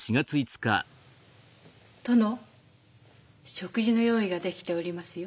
殿食事の用意ができておりますよ。